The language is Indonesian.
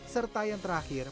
serta yang terakhir